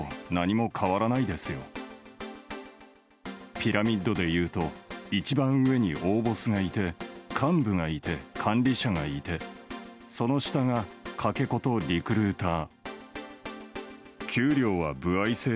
ピラミッドでいうと一番上に大ボスがいて幹部がいて、管理者がいてその下がかけ子とリクルーター。